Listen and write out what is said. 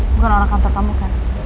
bukan orang kantor kamu kan